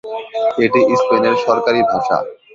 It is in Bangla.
এটি স্পেনের সরকারি ভাষা।